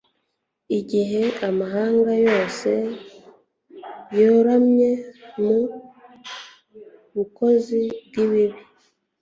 igihe amahanga yose yoramye mu bukozi bw'ibibi